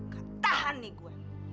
gak tahan nih gue